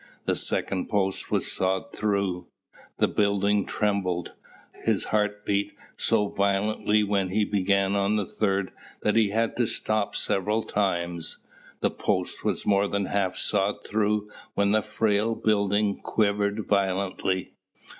The second post was sawed through; the building trembled. His heart beat so violently when he began on the third, that he had to stop several times. The post was more than half sawed through when the frail building quivered violently.